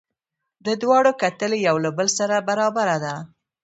د دواړو کتلې یو له بل سره برابره ده.